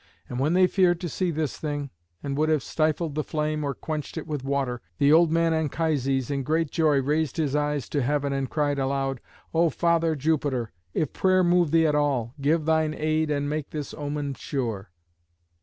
And when they feared to see this thing, and would have stifled the flame or quenched it with water, the old man Anchises in great joy raised his eyes to heaven, and cried aloud, "O Father Jupiter, if prayer move thee at all, give thine aid and make this omen sure."